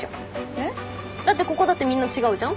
へっ？だってここだってみんな違うじゃん。